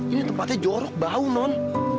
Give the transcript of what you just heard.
ini tempatnya jorok bau non